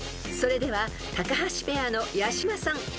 ［それでは高橋ペアの八嶋さん